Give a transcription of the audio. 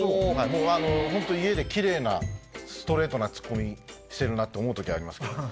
ホント家でキレイなストレートなツッコミしてるなって思う時ありますけど。